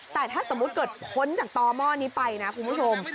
แต่ถ้าสมมุติเกิดพ้นจากต่อหม้อนี้ไปนะคุณผู้ชม